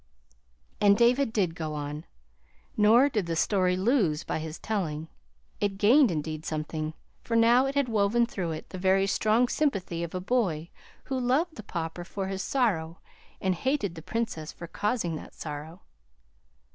And David did go on; nor did the story lose by his telling. It gained, indeed, something, for now it had woven through it the very strong sympathy of a boy who loved the Pauper for his sorrow and hated the Princess for causing that sorrow.